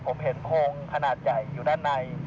ผมเห็นโพงขนาดใหญ่อยู่ด้านใน